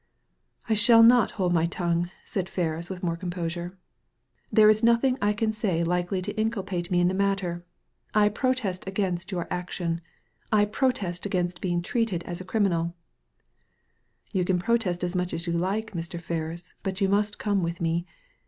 "I shall not hold my tongue," said Ferris, with more composure. There is nothing I can say likely to inculpate me in the matter. I protest against your action. I protest against being treated as a criminaL" *' You can protest as much as you like, Mr. Ferris, but you must come with me.